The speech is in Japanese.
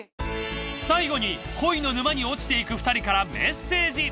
最後に恋の沼に落ちていく２人からメッセージ。